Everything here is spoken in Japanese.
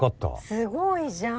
すごいじゃん！